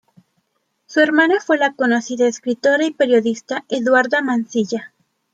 Su hermana fue la conocida escritora y periodista Eduarda Mansilla.